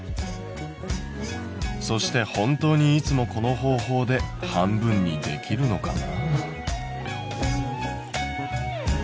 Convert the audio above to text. そして本当にいつもこの方法で半分にできるのかな？